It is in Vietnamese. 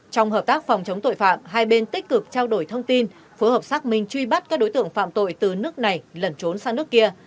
trong hợp tác phòng chống tội phạm hai bên tích cực trao đổi thông tin phối hợp xác minh truy bắt các đối tượng phạm tội từ nước này lẩn trốn sang nước kia